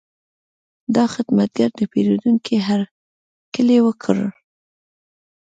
دا خدمتګر د پیرودونکي هرکلی وکړ.